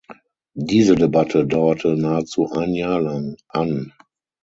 Diese Debatte dauerte nahezu ein Jahr lang an.